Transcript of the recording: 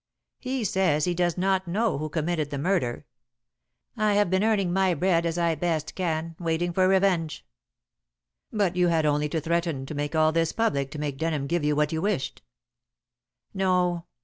He says he does not know who committed the murder. I have been earning my bread as I best can, waiting for revenge." "But you had only to threaten to make all this public to make Denham give you what you wished." "No."